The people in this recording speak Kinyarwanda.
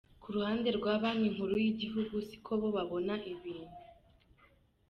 Ku ruhande rwa Banki Nkuru y’igihugu siko bo babona ibintu .